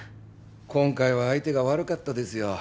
今回は相手が悪かったですよ。